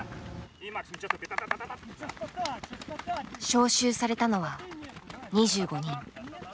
招集されたのは２５人。